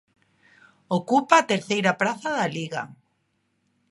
Ocupa a terceira praza da Liga.